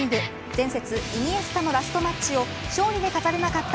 前節、イニエスタのラストマッチを勝利で飾れなかった